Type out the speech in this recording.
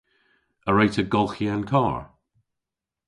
A wre'ta golghi an karr?